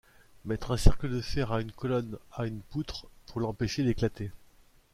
Mettre un cercle de fer à une colonne, à une poutre, pour l'empêcher d'éclater.